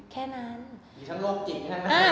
แค่นั้นมีทั้งโรคจิตทั้งนั้น